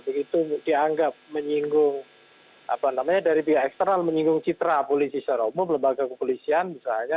begitu dianggap menyinggung apa namanya dari pihak eksternal menyinggung citra polisi secara umum lembaga kepolisian misalnya